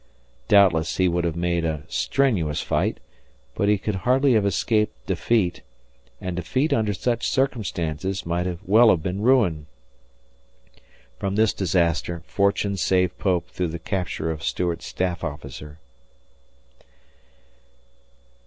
Doubtless, he would have made a strenuous fight, but he could hardly have escaped defeat, and defeat under such circumstances might well have been ruin. From this disaster fortune saved Pope through the capture of Stuart's staff officer.